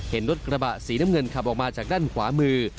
เห็นรถกระบะสีน้ำเงินขับออกมาจากด้านขวามือ